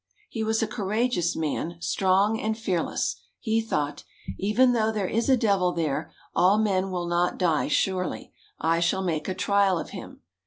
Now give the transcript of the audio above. He was a courageous man, strong and fearless. He thought, "Even though there is a devil there, all men will not die, surely. I shall make a trial of him."